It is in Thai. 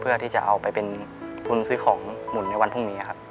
เพื่อที่จะเอาไปเป็นทุนซื้อของหมุนในวันพรุ่งนี้ครับ